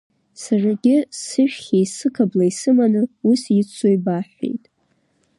Саргьы сыжәхьеи сықаблеи сыманы уи сиццо еибаҳҳәеит.